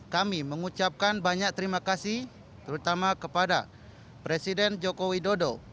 kami mengucapkan banyak terima kasih terutama kepada presiden joko widodo